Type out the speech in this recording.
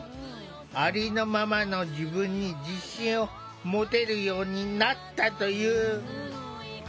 ありのままの自分に自信を持てるようになったという。